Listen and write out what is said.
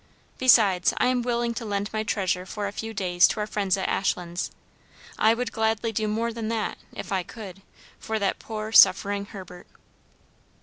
Besides, I am willing to lend my treasure for a few days to our friends at Ashlands. I would gladly do more than that, if I could, for that poor suffering Herbert."